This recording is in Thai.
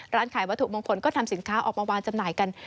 ร้านขายวัตถุมงคลก็ทำสินค้าออกมาวางจำหน่ายกัน